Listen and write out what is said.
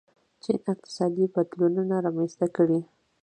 چین اقتصادي بدلونونه رامنځته کړي.